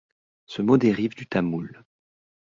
Ce mot dérive du tamoul.